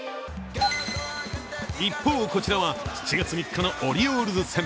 一方、こちらは７月３日のオリオールズ戦。